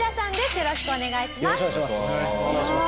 よろしくお願いします。